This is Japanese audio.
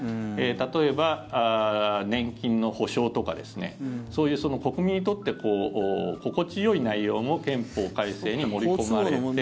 例えば、年金の保証とかそういう国民にとって心地よい内容も憲法改正には盛り込まれて。